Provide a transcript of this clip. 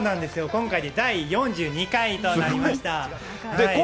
今回で第４２回となりました。